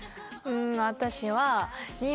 私は。